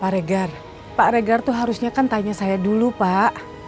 pak regar pak regar itu harusnya kan tanya saya dulu pak